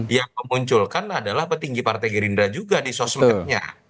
yang memunculkan adalah petinggi partai gerindra juga di sosmednya